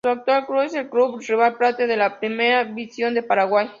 Su actual club es el Club River Plate de la Primera División de Paraguay.